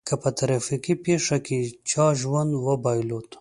که په ترافيکي پېښه کې چا ژوند وبایلود.